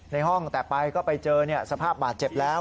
ในห้องแต่ไปก็ไปเจอสภาพบาดเจ็บแล้ว